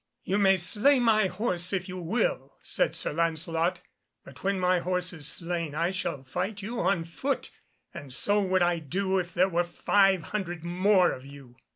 "You may slay my horse if you will," said Sir Lancelot, "but when my horse is slain I shall fight you on foot, and so would I do, if there were five hundred more of you."